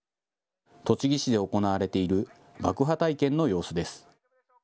栃木市で行われている爆破体験の様子です。